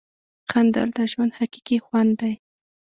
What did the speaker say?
• خندېدل د ژوند حقیقي خوند دی.